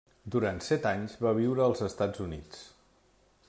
Durant set anys, va viure als Estats Units.